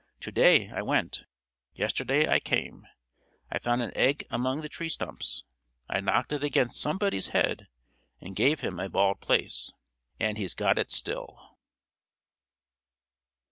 To day I went, yesterday I came; I found an egg among the tree stumps; I knocked it against somebody's head, and gave him a bald place, and he's got it still.